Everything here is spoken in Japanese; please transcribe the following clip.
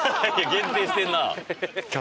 限定してるな。